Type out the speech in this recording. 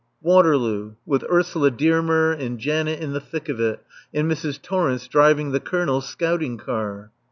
Waterloo with Ursula Dearmer and Janet in the thick of it, and Mrs. Torrence driving the Colonel's scouting car!